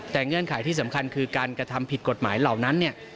แต่เงื่อนไขที่สำคัญคือการกระทำผิดกฎหมายเหล่านั้นเนี่ย